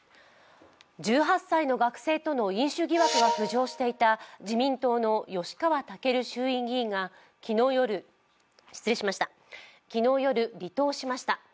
１８歳の学生との飲酒疑惑が浮上していた自民党の吉川赳衆院議員が昨日夜、離党しました。